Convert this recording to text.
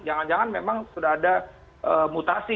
jangan jangan memang sudah ada mutasi